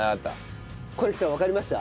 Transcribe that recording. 是木さんわかりました？